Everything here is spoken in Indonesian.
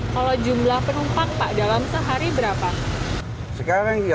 kalau jumlah penumpang pak dalam sehari berapa